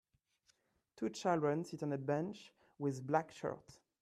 two children sit on a bench with black shirts